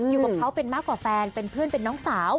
อยู่กับเขาเป็นมากกว่าแฟนเป็นเพื่อนเป็นน้องสาว